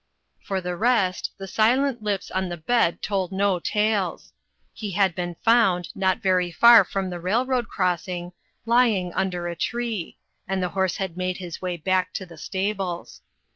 For the rest, the silent lips on the bed told no 39^ INTERRUPTED. tales. He had been found, not very far from the railroad crossing, lying under a tree, and the horse had made his way back to the stables.